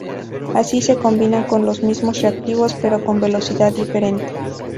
Así, se combinan con los mismos reactivos, pero con velocidad diferente.